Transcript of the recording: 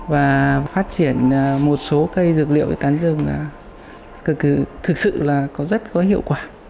và phát triển một số cây dược liệu để tán rừng là thực sự là rất có hiệu quả